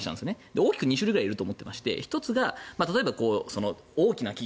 大きく２種類くらいいると思っていて１つが大きな企業